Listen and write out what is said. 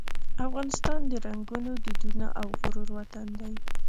افغانستان د رنګونو، دودونو او غرور وطن دی.